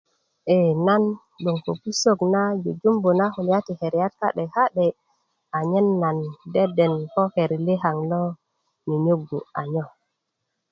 e nan bgoŋ ko pusök na jujumbu na keriyat ka'de ka'de anyen nan deden ko keri likaŋ lo nyo nyogu a nyo